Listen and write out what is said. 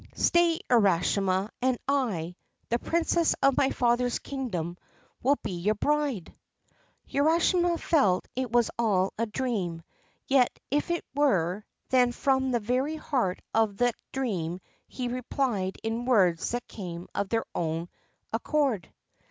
Stay, Urashima, and I, the Princess of my father's kingdom, will be your bride !' 150 URASHIMA TARO Urashima felt it was all a dream ; yet, if it were, then from the very heart of that dream he replied in words that came of their own accord.